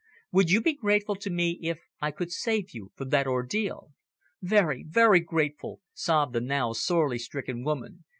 Would you be grateful to me if I could save you from that ordeal?" "Very, very grateful," sobbed the now sorely stricken woman.